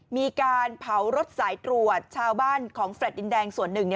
มีการเผารถสายตรวจชาวบ้านของแฟลต์ดินแดงส่วนหนึ่ง